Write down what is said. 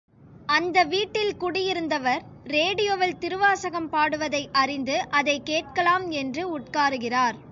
அந்த வீட்டில் குடியிருந்தவர் ரேடியோவில் திருவாசகம் பாடுவதை அறிந்து அதைக் கேட்கலாம் என்று உட்காருகிறார்.